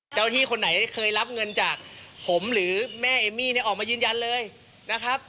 เจ้าหน้าที่คนไหนเคยรับเงินจากผมหรือแม่เอมมี่เนี่ยออกมายืนยันเลยนะครับ